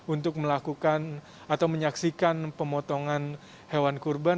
untuk melakukan atau menyaksikan pemotongan hewan kurban